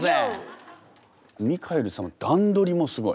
ミカエル様段取りもすごい。